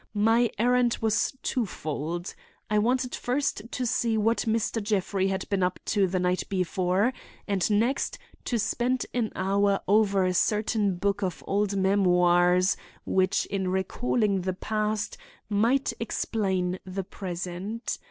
My errand was twofold. I wanted first to see what Mr. Jeffrey had been up to the night before, and next, to spend an hour over a certain book of old memoirs which in recalling the past might explain the present.